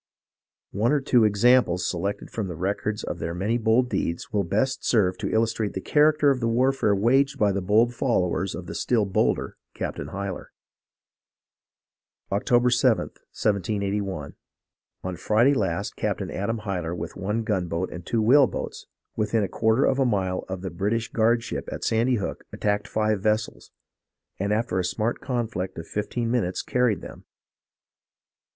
One or two examples selected from the records of their many bold deeds, will best serve to illustrate the character of the warfare waged by the bold followers of the still bolder Captain Hyler. "Oct. 7, 1781. On Friday last Capt. Adam Hyler with one gunboat and two whale boats, within a quarter of a mile of the [British] guardship at Sandy Hook attacked five vessels, and after a smart conflict of fifteen minutes carried them.